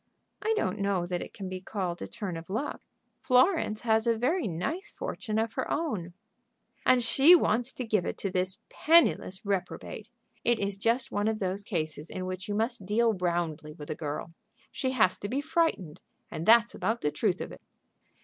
"I don't know that it can be called a turn of luck. Florence has a very nice fortune of her own " "And she wants to give it to this penniless reprobate. It is just one of those cases in which you must deal roundly with a girl. She has to be frightened, and that's about the truth of it."